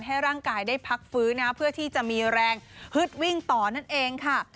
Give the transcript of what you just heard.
ให้ร่างกายได้พักฟื้นเพื่อที่จะมีแรงฮึดวิ่งต่อนั่นเองค่ะ